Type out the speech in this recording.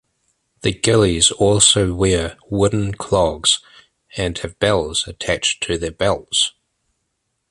The Gilles also wear wooden clogs and have bells attached to their belts.